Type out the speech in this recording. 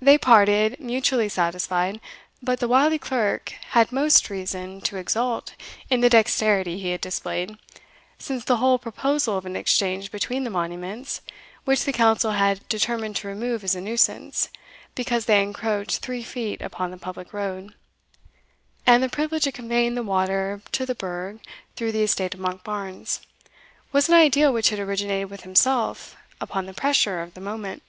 They parted mutually satisfied; but the wily clerk had most reason to exult in the dexterity he had displayed, since the whole proposal of an exchange between the monuments (which the council had determined to remove as a nuisance, because they encroached three feet upon the public road), and the privilege of conveying the water to the burgh through the estate of Monkbarns, was an idea which had originated with himself upon the pressure of the moment.